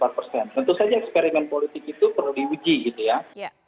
tentu saja eksperimen politik itu perlu diuji gitu ya